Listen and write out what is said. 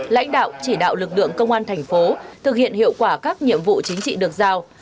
lãnh đạo chỉ đạo lực lượng công an thành phố thực hiện hiệu quả các nhiệm vụ chính trị được giao